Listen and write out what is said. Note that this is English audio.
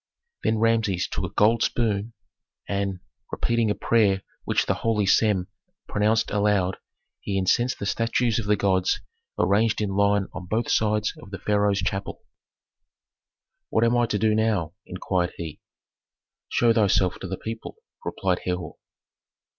Then Rameses took a gold spoon, and, repeating a prayer which the holy Sem pronounced aloud, he incensed the statues of the gods arranged in line on both sides of the pharaoh's chapel. "What am I to do now?" inquired he. "Show thyself to the people," replied Herhor.